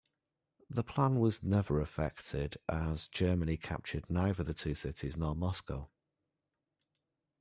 The plan was never effected, as Germany captured neither the two cities nor Moscow.